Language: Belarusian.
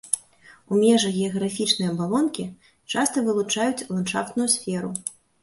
У межах геаграфічнай абалонкі часта вылучаюць ландшафтную сферу.